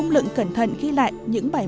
mùi văn lựng